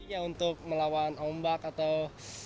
ya untuk melawan ombak atau